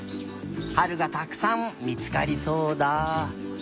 はるがたくさんみつかりそうだ。